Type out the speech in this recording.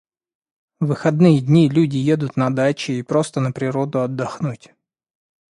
В выходные дни, люди едут на дачи и просто на природу отдохнуть.